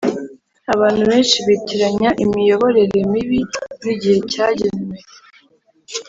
abantu benshi bitiranya imiyoborere mibi nigihe cyagenwe